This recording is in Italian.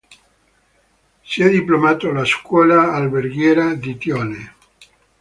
Si è diplomato alla scuola alberghiera di Tione.